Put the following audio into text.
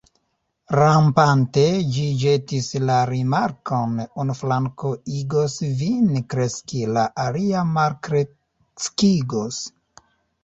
Rampante, ĝi ĵetis la rimarkon: "Unu flanko igos vin kreski, la alia malkreskigos. »